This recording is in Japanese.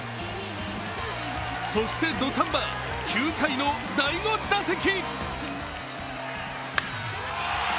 そして土壇場、９回の第５打席。